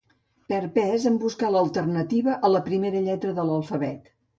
Perd pes en buscar l'alternativa a la primera lletra de l'alfabet.